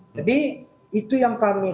jadi itu yang kami